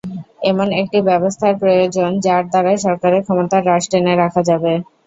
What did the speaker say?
এমন একটি ব্যবস্থা প্রয়োজন, যার দ্বারা সরকারের ক্ষমতার রাশ টেনে রাখা যাবে।